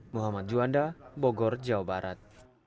muhammad juanda bogor jawa barat